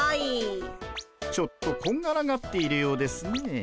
ちょっとこんがらがっているようですね。